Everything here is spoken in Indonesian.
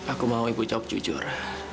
aku mau ibu jawab jujur